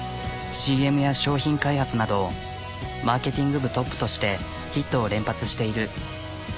ＣＭや商品開発などマーケティング部トップとしてヒットを連発している。